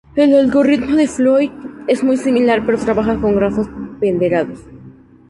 El algoritmo de Floyd es muy similar, pero trabaja con grafos ponderados.